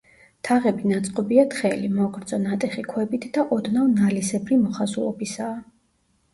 თაღები ნაწყობია თხელი, მოგრძო, ნატეხი ქვებით და ოდნავ ნალისებრი მოხაზულობისაა.